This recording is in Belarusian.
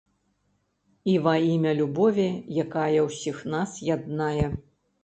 І ва імя любові, якая ўсіх нас яднае.